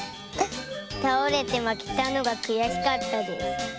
たおれてまけたのがくやしかったです。